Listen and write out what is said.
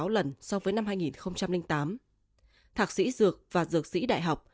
sáu lần so với năm hai nghìn tám thạc sĩ dược và dược sĩ đại học